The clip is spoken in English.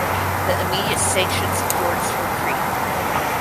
The immediate sanctions courts were created.